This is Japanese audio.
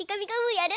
やる？